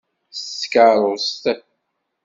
S tkeṛṛust!